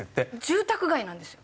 住宅街なんですよ。